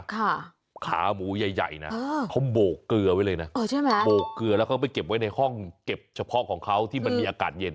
ขาหมูใหญ่ใหญ่นะเขาโบกเกลือไว้เลยนะโบกเกลือแล้วเขาไปเก็บไว้ในห้องเก็บเฉพาะของเขาที่มันมีอากาศเย็น